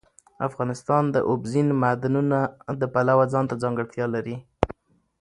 افغانستان د اوبزین معدنونه د پلوه ځانته ځانګړتیا لري.